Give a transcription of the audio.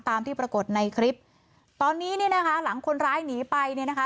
ตามที่ปรากฏในคลิปตอนนี้เนี่ยนะคะหลังคนร้ายหนีไปเนี่ยนะคะ